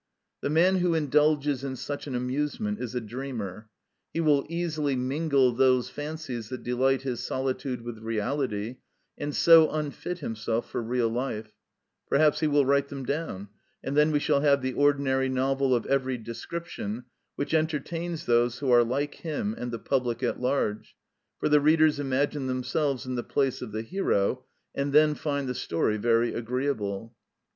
The man who indulges in such an amusement is a dreamer; he will easily mingle those fancies that delight his solitude with reality, and so unfit himself for real life: perhaps he will write them down, and then we shall have the ordinary novel of every description, which entertains those who are like him and the public at large, for the readers imagine themselves in the place of the hero, and then find the story very agreeable.